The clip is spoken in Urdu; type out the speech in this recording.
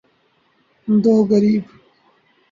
دوگریب